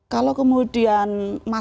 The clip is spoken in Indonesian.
kalau kemudian masalah